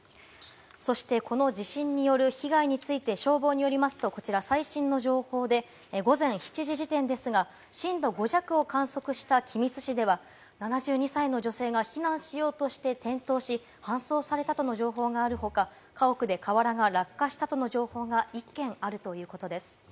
そして、この地震による被害について消防によりますと、最新の情報で午前７時時点ですが、震度５弱を観測した君津市では７２歳の女性が避難しようとして転倒し搬送されたとの情報があるほか、家屋で瓦が落下したとの情報が一件あるということです。